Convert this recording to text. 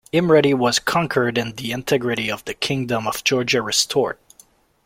Imereti was conquered and the integrity of the Kingdom of Georgia restored.